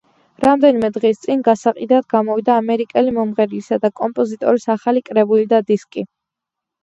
რამდენიმე დღის წინ გასაყიდად გამოვიდა ამერიკელი მომღერლისა და კომპოზიტორის ახალი კრებული და დისკი.